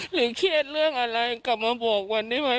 เครียดเรื่องอะไรกลับมาบอกวันได้ไหม